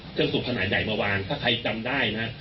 เจ้าสู่ภาษาใหญ่ใหญ่เมื่อวานถ้าใครจำได้นะ